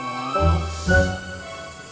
bagi yang kamu sih